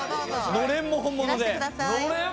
のれんも本物？